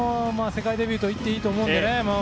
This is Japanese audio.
世界デビューといっていいと思うのでね。